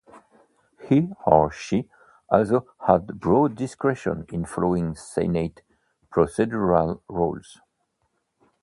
He or she also has broad discretion in following Senate procedural rules.